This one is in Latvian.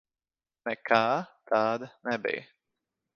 Nekā tāda nebija.